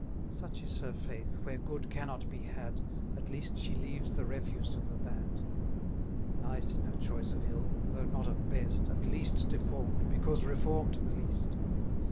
Such is her faith, where good cannot be had, At least she leaves the refuse of the bad: Nice in her choice of ill, though not of best, And least deform'd, because reform'd the least.